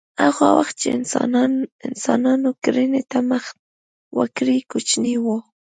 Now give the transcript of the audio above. هغه وخت چې انسانانو کرنې ته مخه نه وه کړې کوچني وو